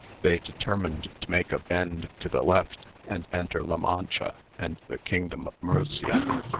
They determined to make a bend to the left, and enter La Mancha and the kingdom of Murcia.